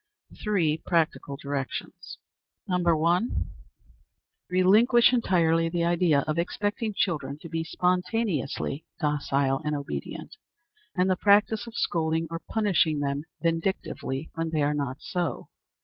Three practical Directions. 1. Relinquish entirely the idea of expecting children to be spontaneously docile and obedient, and the practice of scolding or punishing them vindictively when they are not so.